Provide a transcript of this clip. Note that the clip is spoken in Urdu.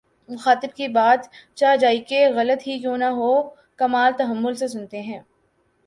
مخاطب کی بات چہ جائیکہ غلط ہی کیوں نہ ہوکمال تحمل سے سنتے ہیں